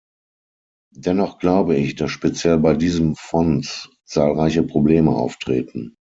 Dennoch glaube ich, dass speziell bei diesem Fonds zahlreiche Probleme auftreten.